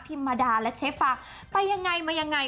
มาดาและเชฟฟางไปยังไงมายังไง